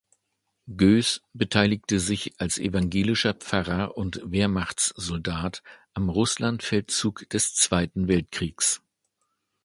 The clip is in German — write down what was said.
Goes beteiligte sich als evangelischer Pfarrer und Wehrmachtssoldat am Russlandfeldzug des Zweiten Weltkriegs.